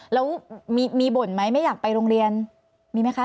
แล้วมีบ่นไหมไม่อยากไปโรงเรียนมีไหมคะ